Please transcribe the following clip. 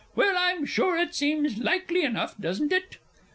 Well, I'm sure it seems likely enough, doesn't it?